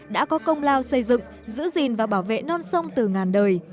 đã có công lao xây dựng giữ gìn và bảo vệ non sông từ ngàn đời